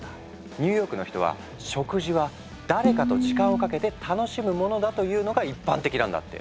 ニューヨークの人は食事は誰かと時間をかけて楽しむものだというのが一般的なんだって。